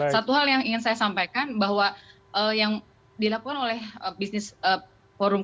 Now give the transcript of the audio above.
satu hal yang ingin saya sampaikan bahwa yang dilakukan oleh business forum